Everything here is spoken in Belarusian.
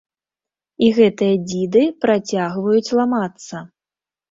І гэтыя дзіды працягваюць ламацца.